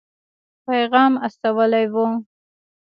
پیغام استولی وو.